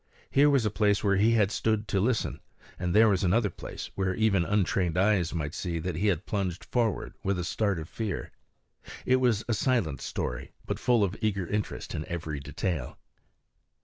Here was a place where he had stood to listen; and there was another place where even untrained eyes might see that he had plunged forward with a start of fear. It was a silent story, but full of eager interest in every detail.